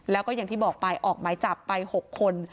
แล้วก็อย่างที่บอกไปออกหมายจับไป๖คน